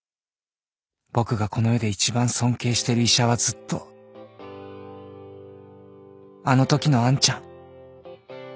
僕がこの世で一番尊敬してる医者はずっとあのときの杏ちゃん